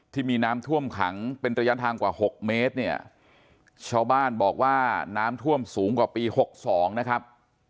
ที่มีน้ำท่วมขังเป็นระยะทางกว่า๖เมตรเนี่ยชาวบ้านบอกว่าน้ำท่วมสูงกว่าปี๖๒นะครับ